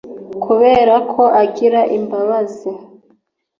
kubera ko agira imbabazi